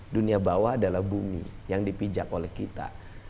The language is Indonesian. dunia bawah adalah bumi yang dipijak oleh kita